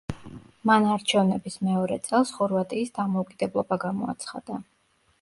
მან არჩევნების მეორე წელს, ხორვატიის დამოუკიდებლობა გამოაცხადა.